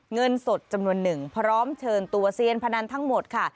เงินสดจำนวนหนึ่งพร้อมเชิญตัวเซียนพนันทั้งหมดค่ะ